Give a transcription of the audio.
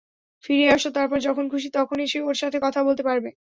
ফিরে আসো, তারপর যখন খুশি তখন এসে ওর সাথে কথা বলতে পারবে।